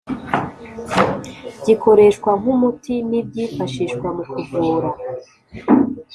Gikoreshwa nk’umuti n’ibyifashishwa mu kuvura